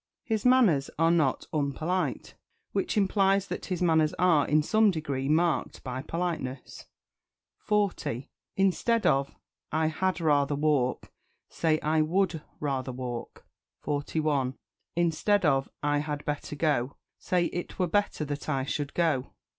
"His manners are not unpolite," which implies that his manners are, in some degree, marked by politeness. 40. Instead of "I had rather walk," say "I would rather walk." 41. Instead of "I had better go," say "It were better that I should go."